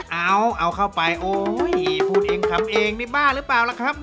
เอาเอาเข้าไปโอ้ยพูดเองทำเองนี่บ้าหรือเปล่าล่ะครับ